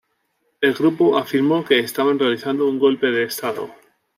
El grupo afirmó que estaban realizando un golpe de estado".